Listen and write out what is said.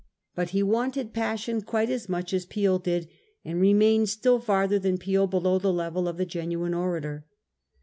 But he wanted passion quite as much as Peel did, and remained still farther than Peel below the level of the genuine orator.